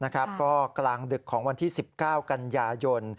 ก็กลางดึกของวันที่๑๙กันยายน